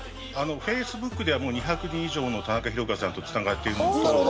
Ｆａｃｅｂｏｏｋでは２００人以上の田中宏和さんと繋がっています。